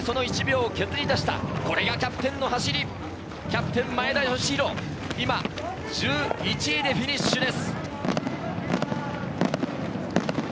最後までその１秒削り出した、これがキャプテンの走り、キャプテン前田義弘、１１位でフィニッシュです。